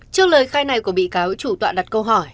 trước lời khai này của bị cáo trùng toạn đặt câu hỏi